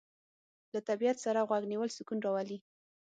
له طبیعت سره غوږ نیول سکون راولي.